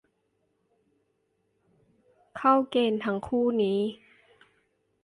เข้าเกณฑ์ทั้งคู่นี้